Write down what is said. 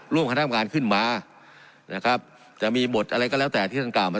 คณะกรรมการขึ้นมานะครับจะมีบทอะไรก็แล้วแต่ที่ท่านกล่าวมา